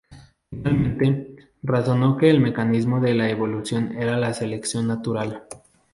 Finalmente, razonó que el mecanismo de la evolución era la selección natural".